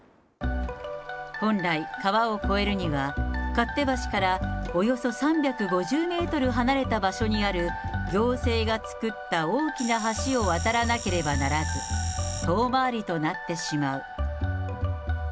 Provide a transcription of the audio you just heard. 本来、川を越えるには勝手橋からおよそ３５０メートル離れた場所にある、行政が造った大きな橋を渡らなければならず、遠回りとなってしまう。